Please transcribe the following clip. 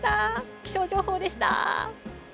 気象情報でした。